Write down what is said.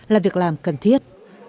là việc làm cần thiết